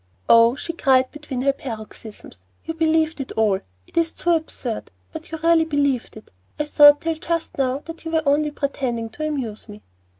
"Oh!" she cried, between her paroxysms, "you believed it all! it is too absurd, but you really believed it! I thought till just now that you were only pretending, to amuse me."